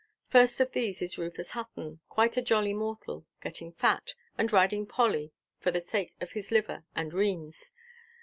First of these is Rufus Hutton, quite a jolly mortal, getting fat, and riding Polly for the sake of his liver and renes.